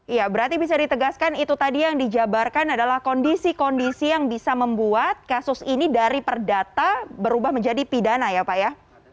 iya berarti bisa ditegaskan itu tadi yang dijabarkan adalah kondisi kondisi yang bisa membuat kasus ini dari perdata berubah menjadi pidana ya pak ya